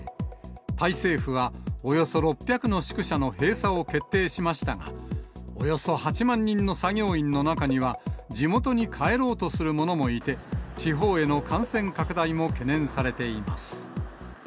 タイ政府は、およそ６００の宿舎の閉鎖を決定しましたが、およそ８万人の作業員の中には、地元に帰ろうとする者もいて、地方への感染拡大も懸念されています。